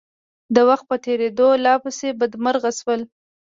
د وخت په تېرېدو لا پسې بدمرغه شول.